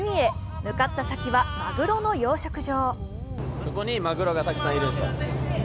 向かった先は、まぐろの養殖場。